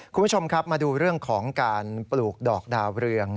คุณผู้ชมครับมาดูเรื่องของการปลูกดอกดาวเรือง